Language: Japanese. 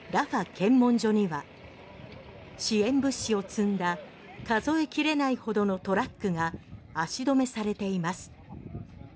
検問所には支援物資を積んだ数え切れないほどのトラックが足止めされています。